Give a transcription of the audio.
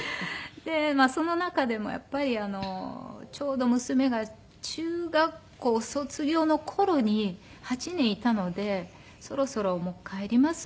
でその中でもやっぱりちょうど娘が中学校卒業の頃に８年いたのでそろそろ帰りますって。